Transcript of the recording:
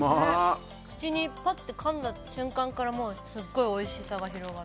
口に、ぱってかんだ瞬間からすごいおいしさが広がって。